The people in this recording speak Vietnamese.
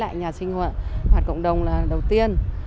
lấy lại nhà sinh hoạt hoạt cộng đồng là đầu tiên